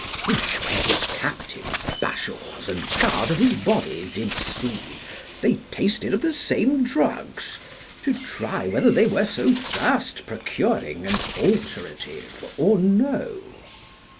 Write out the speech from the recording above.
Which when his captains, bashaws, and guard of his body did see, they tasted of the same drugs to try whether they were so thirst procuring and alterative or no.